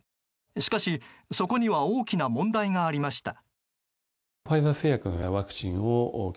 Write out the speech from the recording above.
しかし、そこには大きな問題がありました。